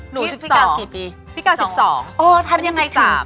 หนู๑๙กี่ปีพี่การสิบสองเออทำยังไงถึง